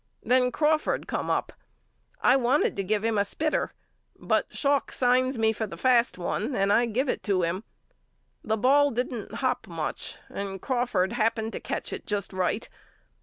Then Crawford come up. I wanted to give him a spitter but Schalk signs me for the fast one and I give it to him. The ball didn't hop much and Crawford happened to catch it just right.